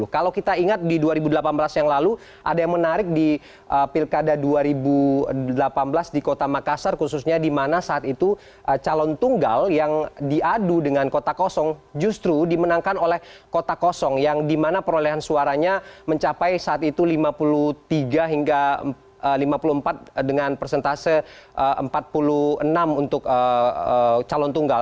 kalau kita ingat di dua ribu delapan belas yang lalu ada yang menarik di pilkada dua ribu delapan belas di kota makassar khususnya di mana saat itu calon tunggal yang diadu dengan kota kosong justru dimenangkan oleh kota kosong yang di mana perolehan suaranya mencapai saat itu lima puluh tiga hingga lima puluh empat dengan persentase empat puluh enam untuk calon tunggal